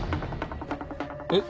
えっ？